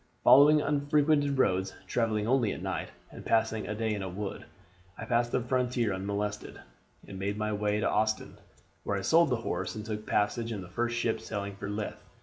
"Following unfrequented roads, travelling only at night, and passing a day in a wood, I passed the frontier unmolested, and made my way to Ostend, where I sold the horse and took passage in the first ship sailing for Leith.